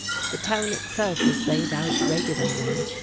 The town itself is laid out regularly.